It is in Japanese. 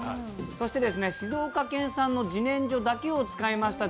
そして静岡県産のじねんじょだけを使いました